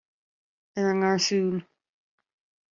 Ar an ngarsún